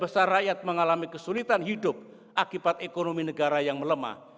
besar rakyat mengalami kesulitan hidup akibat ekonomi negara yang melemah